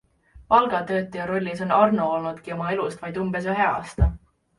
Palgatöötaja rollis on Arno olnudki oma elust vaid umbes ühe aasta.